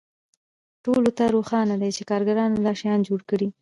ټولو ته روښانه ده چې کارګرانو دا شیان جوړ کړي